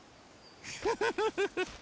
フフフフフ！